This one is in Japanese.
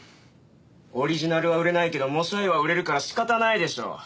オリジナルは売れないけど模写絵は売れるから仕方ないでしょ。